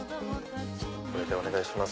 これでお願いします。